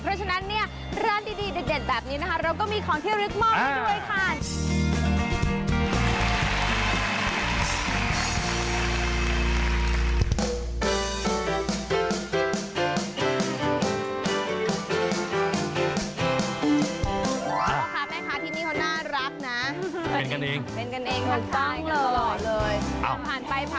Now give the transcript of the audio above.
เพราะฉะนั้นร้านดีเด็ดแบบนี้นะคะ